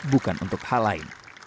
bukan untuk hal lain